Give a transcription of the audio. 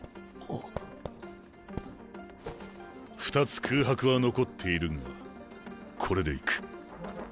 ２つ空白は残っているがこれでいく。